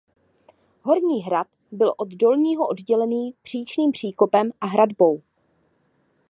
Horní hrad byl od dolního oddělený příčným příkopem a hradbou.